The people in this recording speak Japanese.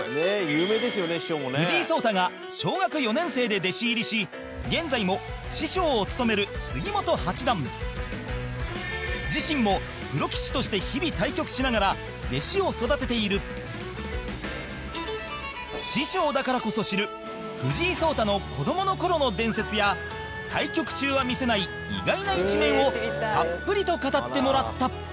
藤井聡太が小学４年生で弟子入りし現在も師匠を務める杉本八段自身もプロ棋士として日々対局しながら弟子を育てている師匠だからこそ知る藤井聡太の子どもの頃の伝説や対局中は見せない意外な一面をたっぷりと語ってもらった山崎：